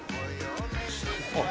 あっ